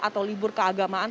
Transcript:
atau libur keagamaan